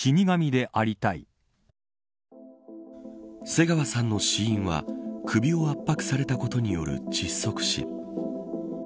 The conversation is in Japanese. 瀬川さんの死因は首を圧迫されたことによる窒息死。